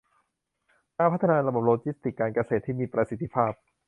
การพัฒนาระบบโลจิสติกส์การเกษตรที่มีประสิทธิภาพ